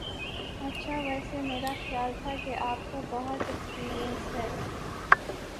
اچھا ویسے میرا خیال تھا کہ آپ کو بہت ایکسپیرینس ہے